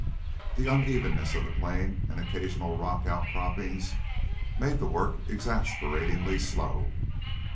The unevenness of the plain and occasional rock outcroppings made the work exasperatingly slow.